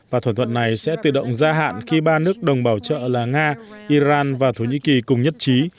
và thỏa thuận này sẽ tự động gia hạn khi ba nước đồng bảo trợ là nga iran và thổ nhĩ kỳ cùng nhất trí